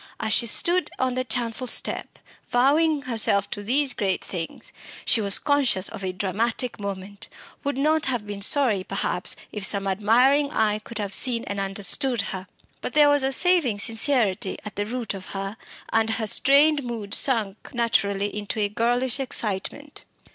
As she stood on the chancel step, vowing herself to these great things, she was conscious of a dramatic moment would not have been sorry, perhaps, if some admiring eye could have seen and understood her. But there was a saving sincerity at the root of her, and her strained mood sank naturally into a girlish excitement.